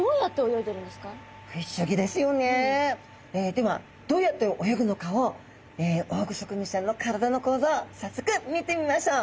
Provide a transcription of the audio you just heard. ではどうやって泳ぐのかをオオグソクムシちゃんの体の構造早速見てみましょう。